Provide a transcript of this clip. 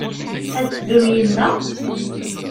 Ad teddum yid-neɣ?